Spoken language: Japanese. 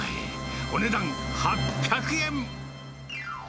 お値段８００円。